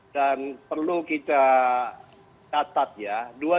perlu kita catat ya